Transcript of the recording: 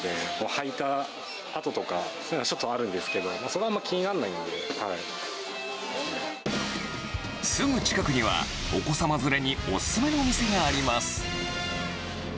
履いた跡とか、そういうのはちょっとあるんですけど、それはあますぐ近くには、お子様連れにお勧めの店があります。